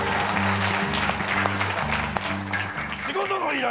仕事の依頼。